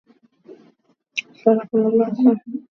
Ni ishara kamili ya kutawaliwa